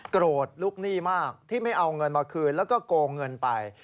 โกรธลูกหนี้มากที่ไม่เอาเงินมาคืนแล้วก็โกงเงินไป